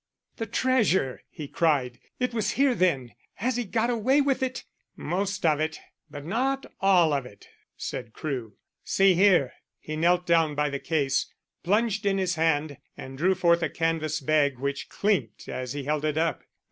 "The treasure!" he cried. "It was here then. Has he got away with it?" "Most of it, but not all of it," said Crewe. "See here!" He knelt down by the case, plunged in his hand, and drew forth a canvas bag which clinked as he held it up.